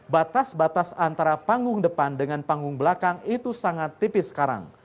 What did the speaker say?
batas batas antara panggung depan dengan panggung belakang itu sangat tipis sekarang